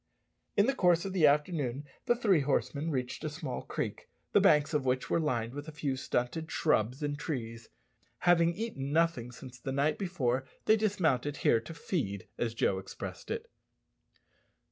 In the course of the afternoon the three horsemen reached a small creek, the banks of which were lined with a few stunted shrubs and trees. Having eaten nothing since the night before, they dismounted here to "feed," as Joe expressed it.